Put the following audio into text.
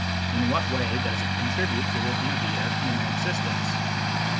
In what way does it contribute to the beauty of human existence